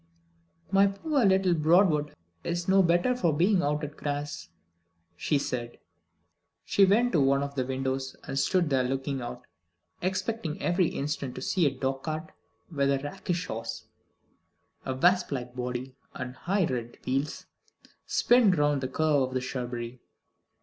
"My poor little Broadwood is no better for being out at grass," she said. She went to one of the windows, and stood there looking out, expecting every instant to see a dog cart with a rakish horse, a wasp like body, and high red wheels, spin round the curve of the shrubbery.